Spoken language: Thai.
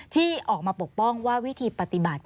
ที่ออกมาปกป้องว่าวิธีปฏิบัติ